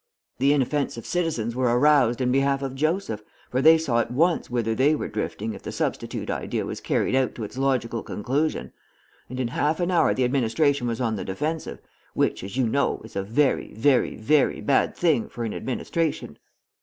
The inoffensive citizens were aroused in behalf of Joseph, for they saw at once whither they were drifting if the substitute idea was carried out to its logical conclusion; and in half an hour the administration was on the defensive, which, as you know, is a very, very, very bad thing for an administration."